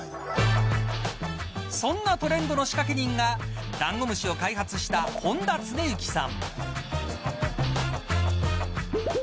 そんなトレンドの仕掛け人がだんごむしを開発した誉田恒之さん。